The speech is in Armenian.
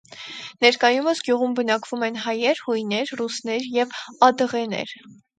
Ներկայումս գյուղում բնակվում են հայեր, հույներ, ռուսներ և ադըղեներ։